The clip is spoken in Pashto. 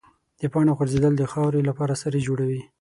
د پاڼو غورځېدل د خاورې لپاره سرې جوړوي.